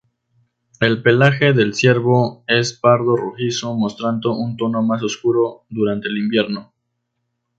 El pelaje del ciervo es pardo-rojizo, mostrando un tono más oscuro durante el invierno.